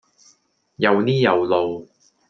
又呢又路